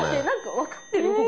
何か分かってる？